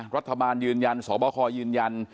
รัฐบาลยืนยันสบคยืนยัน